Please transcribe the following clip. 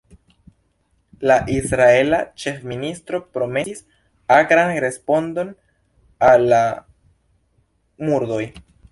La israela ĉefministro promesis akran respondon al la murdoj.